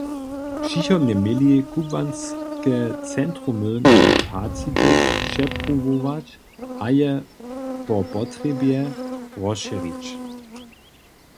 Přichodnje měli kubłanske centrumy na kapacity přepruwować a je po potrjebje rozšěrić.